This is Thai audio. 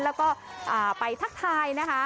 แล้วก็ไปทักทายนะคะ